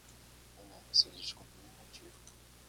Eu não consegui descobrir o motivo.